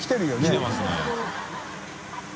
来てますね。